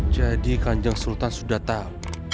jadi kanjang sultan sudah tahu